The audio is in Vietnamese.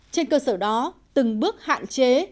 trên cơ sở đó từng bước hạn chế